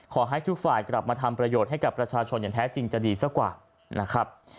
ขอให้ทุกฝ่ายกลับมาทำประโยชน์ให้กับประชาชนอย่างแท้จริงจะดีซะกว่านะครับ